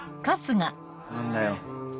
何だよ。